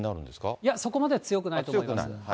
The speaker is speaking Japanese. いや、そこまでは強くないと思います。